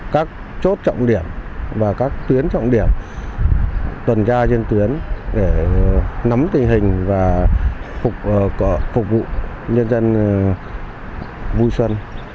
các chốt trọng điểm và các tuyến trọng điểm tuần tra trên tuyến để nắm tình hình và phục vụ nhân dân vui xuân